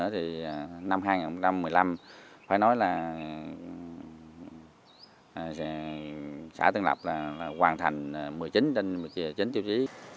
thì năm hai nghìn một mươi năm phải nói là xã tân lập hoàn thành một mươi chín tiêu chí